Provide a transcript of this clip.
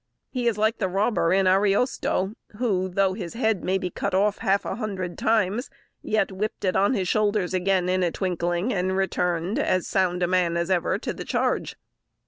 He is like the robber in Ariosto, who, though his head might be cut off half a hundred times, yet whipped it on his shoulders again in a twinkling, and returned as sound a man as ever to the charge.